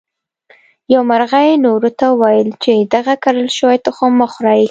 یوه مرغۍ نورو ته وویل چې دغه کرل شوي تخم مه خورئ.